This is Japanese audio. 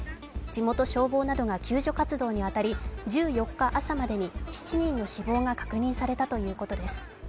地元消防などが救助活動に当たり、１４日朝までに７人の死亡が確認されたということです。